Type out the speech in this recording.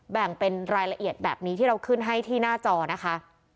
แบ่งเป็นรายละเอียดแบบนี้ที่เราขึ้นให้ที่หน้าจอนะคะ